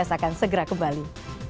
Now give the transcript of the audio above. akan segera kembali